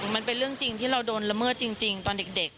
มันเป็นเรื่องจริงที่เราโดนละเมิดจริงตอนเด็ก